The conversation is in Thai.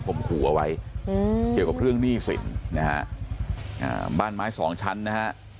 มครูเอาไว้เกี่ยวกับเรื่องหนี้สินนะฮะอ่าบ้านไม้สองชั้นนะฮะ